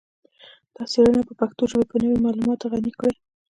دا څیړنه به پښتو ژبه په نوي معلوماتو غني کړي